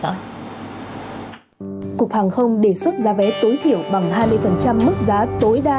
cục hàng không đề xuất giá vé tối thiểu bằng hai mươi mức giá tối đa